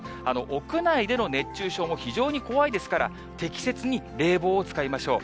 屋内での熱中症も非常に怖いですから、適切に冷房を使いましょう。